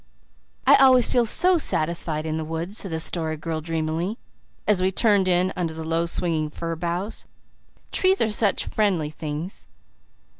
"I always feel so SATISFIED in the woods," said the Story Girl dreamily, as we turned in under the low swinging fir boughs. "Trees seem such friendly things."